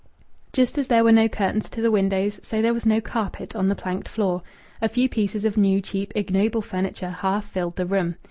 Just as there were no curtains to the windows, so there was no carpet on the planked floor. A few pieces of new, cheap, ignoble furniture half filled the room.